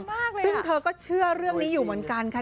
ซึ่งเธอก็เชื่อเรื่องนี้อยู่เหมือนกันค่ะ